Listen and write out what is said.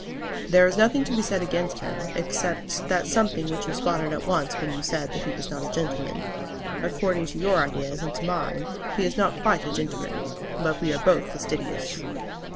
"There is nothing to be said against him, except that something which you spotted at once when you said that he was not a gentleman. According to your ideas, and to mine, he is not quite a gentleman; but we are both fastidious."